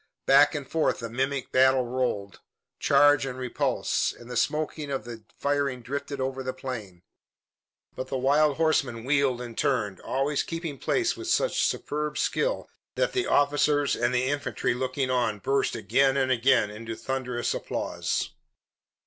Back and forth the mimic battle rolled, charge and repulse, and the smoke of the firing drifted over the plain. But the wild horsemen wheeled and turned, always keeping place with such superb skill that the officers and the infantry looking on burst again and again into thunderous applause.